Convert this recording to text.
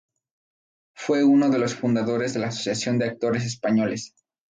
Fue uno de los fundadores de la Asociación de Actores Españoles.